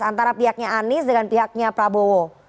antara pihaknya anies dengan pihaknya prabowo